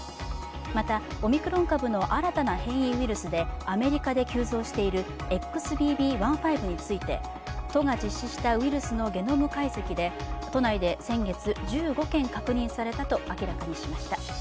またオミクロン株の新たな変異ウイルスで、アメリカで急増しているＸＢＢ．１．５について、都が実施したウイルスのゲノム解析で都内で先月、１５件確認されたと明らかにしました。